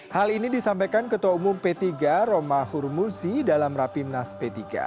hal ini disampaikan ketua umum p tiga roma hurmuzi dalam rapimnas p tiga